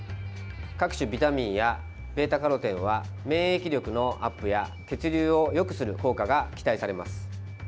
各種ビタミンやβ‐カロテンは免疫力のアップや血流をよくする効果が期待されます。